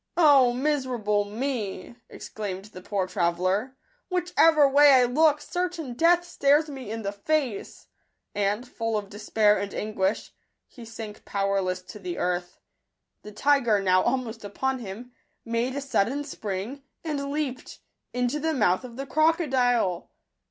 " O miserable me !" exclaimed the poor tra veller ;" whichever way I look, certain death stares me in the face;" and, full of despair and anguish, he sank powerless to the earth. The tiger, now almost upon him, made a sudden spring, and leaped — into the mouth of the crocodile